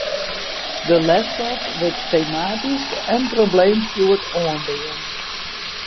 De lesstof wurdt tematysk en probleemstjoerd oanbean.